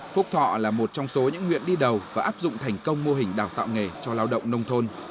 phúc thọ là một trong số những nguyện đi đầu và áp dụng thành công mô hình đào tạo nghề cho lao động nông thôn